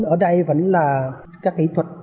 ở đây vẫn là các kỹ thuật